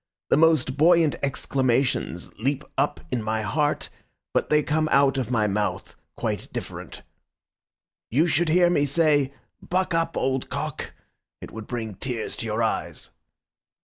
The most buoyant exclamations leap up in my heart, but they come out of my mouth quite different. You should hear me say, 'Buck up, old cock!' It would bring tears to your eyes."